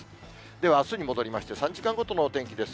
ではあすに戻りまして、３時間ごとのお天気です。